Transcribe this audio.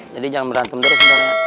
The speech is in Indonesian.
jadi jangan berantem terus